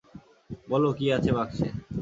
বলো, কী আছে বাক্সে?